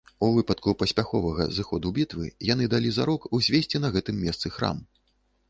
У выпадку паспяховага зыходу бітвы яны далі зарок узвесці на гэтым месцы храм.